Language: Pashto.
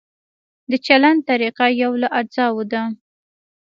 د چلند طریقه یو له اجزاوو ده.